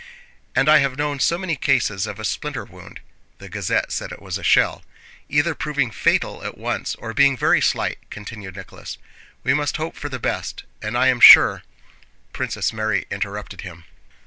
"And I have known so many cases of a splinter wound" (the Gazette said it was a shell) "either proving fatal at once or being very slight," continued Nicholas. "We must hope for the best, and I am sure..." Princess Mary interrupted him.